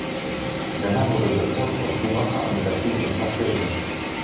Senna wurde Dritter vor Schumacher, Andretti und Patrese.